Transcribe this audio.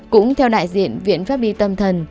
cũng theo đại diện viện pháp y tâm thần